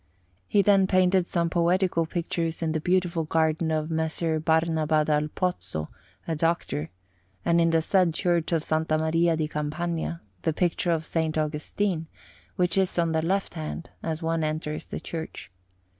He then painted some poetical pictures in the beautiful garden of M. Barnaba dal Pozzo, a doctor; and, in the said Church of S. Maria di Campagna, the picture of S. Augustine, which is on the left hand as one enters the church.